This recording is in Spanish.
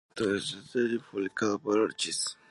Fue propuesto por Schlechter y publicado en "Orchis.